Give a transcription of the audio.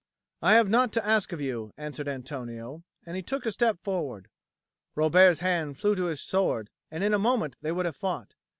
"I have naught to ask of you," answered Antonio, and he took a step forward. Robert's hand flew to his sword, and in a moment they would have fought.